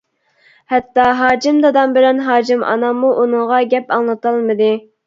ھەتتا ھاجىم دادام بىلەن ھاجىم ئاناممۇ ئۇنىڭغا گەپ ئاڭلىتالمىدى.